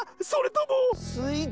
それとも。